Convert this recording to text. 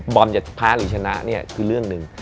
อมจะแพ้หรือชนะเนี่ยคือเรื่องหนึ่ง